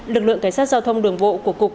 lực lượng cảnh sát giao thông đường bộ của cục